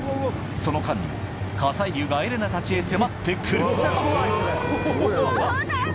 その間にも火砕流がエレナたちへ迫って来るもうダメ！